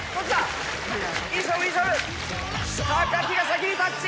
木が先にタッチ！